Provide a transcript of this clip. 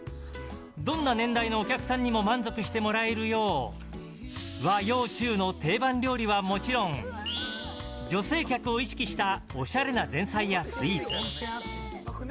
どんな年代のお客さんにも満足してもらえるよう和洋中の定番料理はもちろん女性客を意識したおしゃれな前菜やスイーツ。